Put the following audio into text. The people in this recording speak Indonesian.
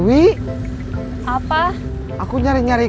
yang ini jelas